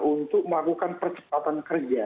untuk melakukan percepatan kerja